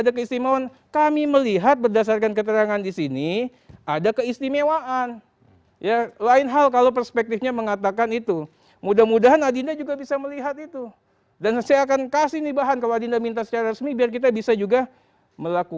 dia nge tweet dengan bahasa yang sangat vulgar dan kasar kepada kpk